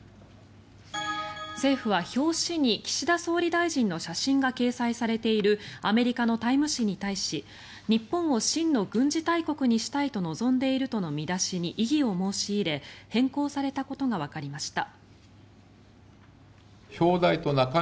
政府は表紙に岸田総理大臣の写真が掲載されているアメリカの「タイム」誌に対し日本を真の軍事大国にしたいと望んでいるとの見出しに異議を申し入れ変更されたことがわかりました。